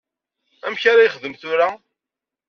Amek ara yexdem tura?